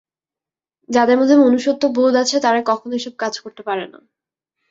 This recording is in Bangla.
যাদের মধ্যে মনুষ্যত্ববোধ আছে, তারা কখনো এসব কাজ করতে পারে না।